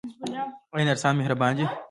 آیا نرسان مهربان دي؟